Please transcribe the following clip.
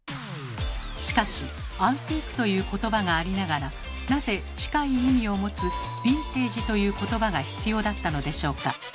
しかし「アンティーク」という言葉がありながらなぜ近い意味を持つ「ヴィンテージ」という言葉が必要だったのでしょうか？